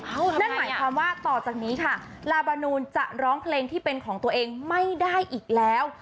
นั่นหมายความว่าต่อจากนี้ค่ะลาบานูนจะร้องเพลงที่เป็นของตัวเองไม่ได้อีกแล้ว